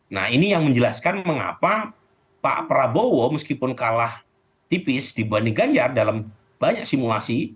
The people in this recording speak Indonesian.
nah ini yang menjelaskan mengapa pak prabowo meskipun kalah tipis dibanding ganjar dalam banyak simulasi